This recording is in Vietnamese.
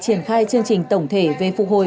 triển khai chương trình tổng thể về phục hồi